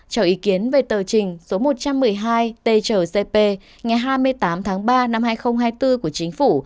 cho ý kiến về tờ trình số một trăm một mươi hai tchp ngày hai mươi tám tháng ba năm hai nghìn hai mươi bốn của chính phủ